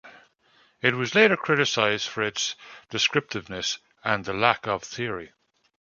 It was later criticised for its descriptiveness and the lack of theory.